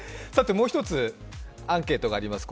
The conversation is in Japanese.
もう一つアンケートがあります。